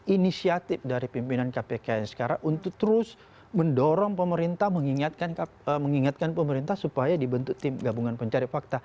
inisiatif dari pimpinan kpk yang sekarang untuk terus mendorong pemerintah mengingatkan pemerintah supaya dibentuk tim gabungan pencari fakta